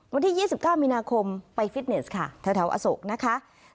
วันที่๒๙มีนาคมไปฟิตเนสค่ะแถวอโศกนะคะ